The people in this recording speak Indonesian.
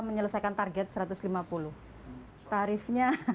pemerintah mencari hak yang berharga